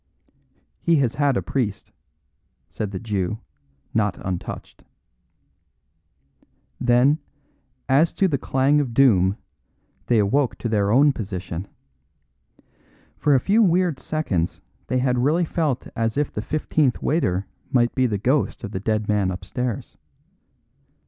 "He has had a priest," said the Jew, not untouched. Then, as to the clang of doom, they awoke to their own position. For a few weird seconds they had really felt as if the fifteenth waiter might be the ghost of the dead man upstairs.